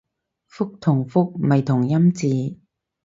覆同復咪同音字